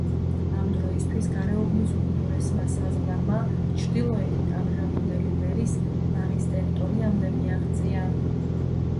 ამ დროისთვის გარეუბნის უკიდურესმა საზღვარმა ჩრდილოეთით ამჟამინდელი ვერის ბაღის ტერიტორიამდე მიაღწია.